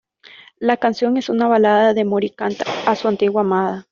La canción es una balada que Morey canta a su antigua amada.